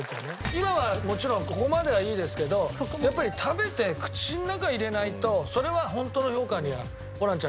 今はもちろんここまではいいですけどやっぱり食べて口の中入れないとそれは本当の評価にはホランちゃんならないと思いますよ。